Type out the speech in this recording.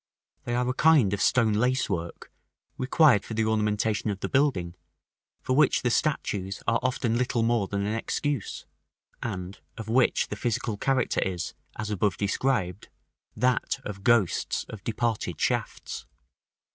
They are a kind of stone lace work, required for the ornamentation of the building, for which the statues are often little more than an excuse, and of which the physical character is, as above described, that of ghosts of departed shafts.